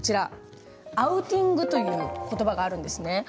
アウティングということばがあるんです。